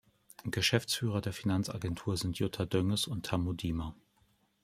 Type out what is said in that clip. Geschäftsführer der Finanzagentur sind Jutta Dönges und Tammo Diemer.